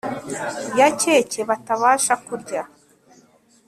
ya keke batabasha kurya